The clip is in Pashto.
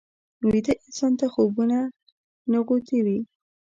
ویده انسان ته خوبونه نغوتې وي